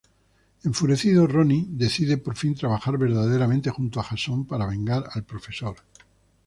Enfurecido, Ronnie decide por fin trabajar verdaderamente junto a Jason para vengar al profesor.